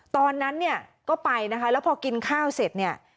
ตอนนั้นเนี่ยก็ไปนะคะแล้วพอกินข้าวเสร็จเนี่ย